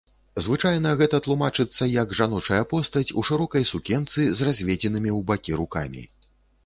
Звычайна гэта тлумачыцца як жаночая постаць у шырокай сукенцы з разведзенымі ў бакі рукамі.